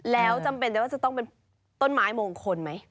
แล้วจำเป็นได้ว่าจะต้องเป็นต้นไม้มงคลไหม